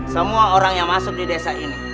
semua orang yang masuk di desa ini